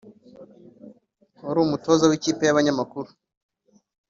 wari umutoza w’ikipe y’abanyamakuru